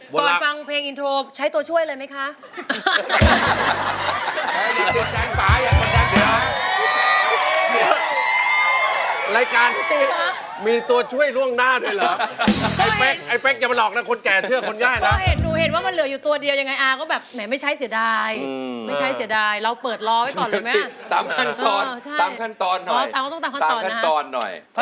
ฟังเพลงอินโทรใช้ตัวช่วยเลยไหมคะ